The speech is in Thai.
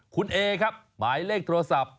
คุณเอครับหมายเลขโทรศัพท์